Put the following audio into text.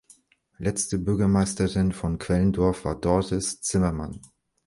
Letzte Bürgermeisterin von Quellendorf war Doris Zimmermann.